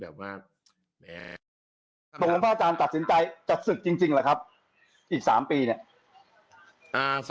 บางคนพ่ออาจารย์ตัดสินใจจะศึกจริงหรือครับอีกสามปีเนี่ย